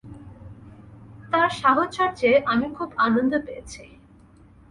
তাঁর সাহচর্যে আমি খুব আনন্দ পেয়েছি।